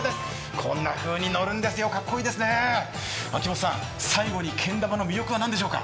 こんなふうに乗るんですよ、かっこいいですね、秋元さん、最後に、けん玉の魅力は何でしょうか。